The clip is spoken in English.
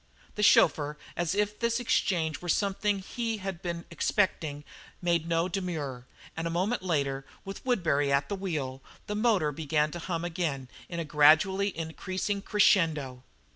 The chauffeur, as if this exchange were something he had been expecting, made no demur, and a moment later, with Woodbury at the wheel, the motor began to hum again in a gradually increasing crescendo.